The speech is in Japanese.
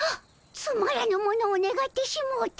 つまらぬものをねがってしもうた。